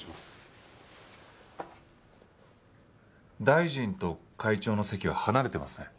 大臣と会長の席は離れてますね。